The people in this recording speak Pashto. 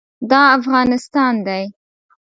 دا افغانستان دی.